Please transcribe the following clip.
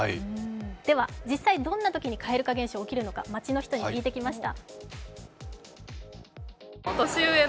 では実際どんなときに蛙化現象が起きるのか、街の人に聞いてきました。